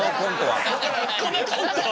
このコントは。